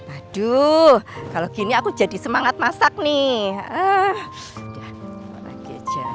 aduh kalau gini aku jadi semangat masak nih